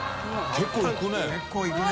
結構いくね。